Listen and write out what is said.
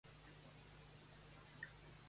Les nostres diferències ens uneixen, no ens separen.